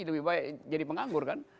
lebih baik jadi penganggur kan